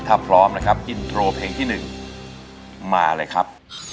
ถ้าพร้อมนะครับอินโทรเพลงที่๑มาเลยครับ